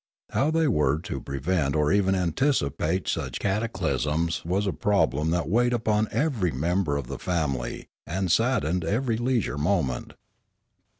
How they were to prevent or even anticipate such cataclysms was a problem that weighed upon every member of the family and saddened every leisure moment.